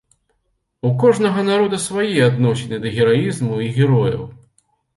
У кожнага народа свае адносіны да гераізму і герояў.